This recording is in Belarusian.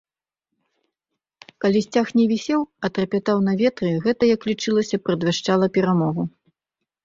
Калі сцяг не вісеў, а трапятаў на ветры, гэта, як лічылася, прадвяшчала перамогу.